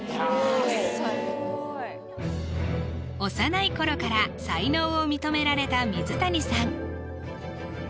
８歳幼い頃から才能を認められた水谷さん